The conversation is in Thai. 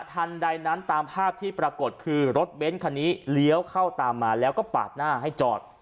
ทันใดนั้นตามภาพที่ปรากฏคือรถเบ้นคันนี้เลี้ยวเข้าตามมาแล้วก็ปาดหน้าให้จอด